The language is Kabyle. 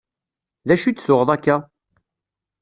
D acu i d-tuɣeḍ akka?